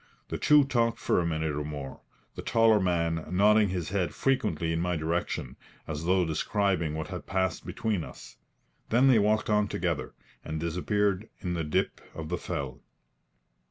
The two talked for a minute or more, the taller man nodding his head frequently in my direction, as though describing what had passed between us. Then they walked on together, and disappeared in a dip of the fell.